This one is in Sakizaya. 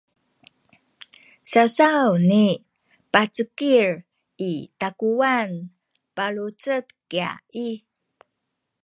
sawsawni pacekil i takuwan palucek kya i